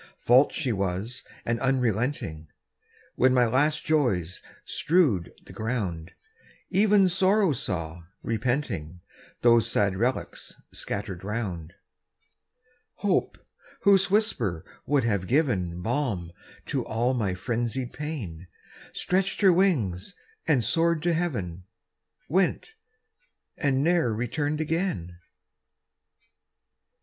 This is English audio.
False she was, and unrelenting; When my last joys strewed the ground, Even Sorrow saw, repenting, Those sad relics scattered round; Hope, whose whisper would have given Balm to all my frenzied pain, Stretched her wings, and soared to heaven, Went, and ne'er returned again!